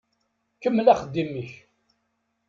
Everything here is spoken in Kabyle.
Kemmel axeddim-ik.